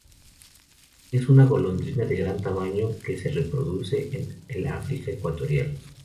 Es una golondrina de gran tamaño que se reproduce en el África ecuatorial.